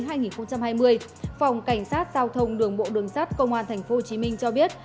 phòng cảnh sát giao thông đường bộ đường sát công an tp hcm cho biết